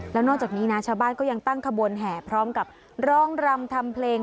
แล้วนอกจากนี้นะชาวบ้านก็ยังตั้งขบวนแห่พร้อมกับร้องรำทำเพลง